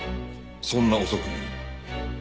そんな遅くに？